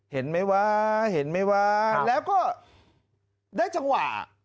เห็นไหมวะเห็นไหมว้าแล้วก็ได้จังหวะ